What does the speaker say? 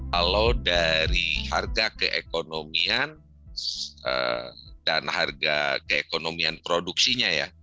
kalau dari harga keekonomian dan harga keekonomian produksinya ya